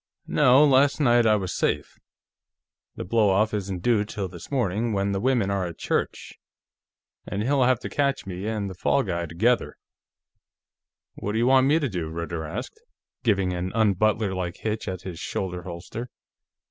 "No, last night I was safe. The blow off isn't due till this morning, when the women are at church, and he'll have to catch me and the fall guy together." "What do you want me to do?" Ritter asked, giving an un butler like hitch at his shoulder holster.